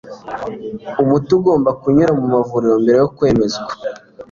umuti ugomba kunyura mu mavuriro mbere yo kwemezwa